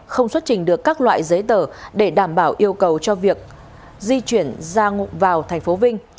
không xuất trình được các loại giấy tờ để đảm bảo yêu cầu cho việc di chuyển ra vào thành phố vinh